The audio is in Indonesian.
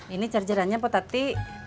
ini chargerannya potati